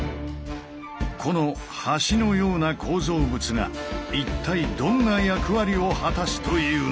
この橋のような構造物が一体どんな役割を果たすというのか？